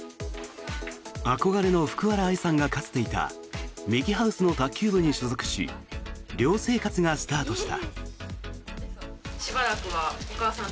憧れの福原愛さんがかつていたミキハウスの卓球部に所属し寮生活がスタートした。